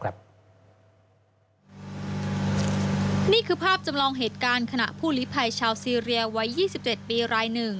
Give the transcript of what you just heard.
นี่คือภาพจำลองเหตุการณ์ขณะผู้ลิภัยชาวซีเรียวัย๒๗ปีราย๑